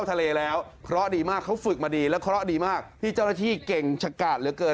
เท่าไหร่๓๖กิโลเมตรจากไทยฝั่งฮะ